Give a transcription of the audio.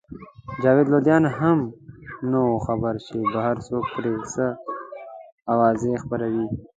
جاوید لودین هم نه وو خبر چې بهر څوک پرې څه اوازې خپروي.